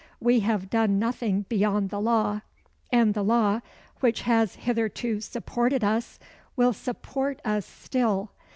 We have done nothing beyond the law; and the law, which has hitherto supported us, will support us still.